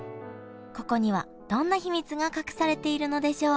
ここにはどんな秘密が隠されているのでしょう？